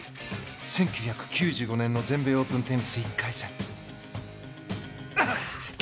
１９９５年の全米オープンテニス１回戦。